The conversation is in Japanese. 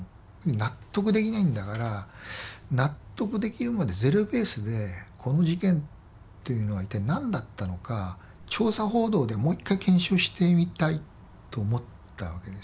納得できないんだから納得できるまでゼロベースでこの事件っていうのは一体何だったのか調査報道でもう一回検証してみたいと思ったわけですね。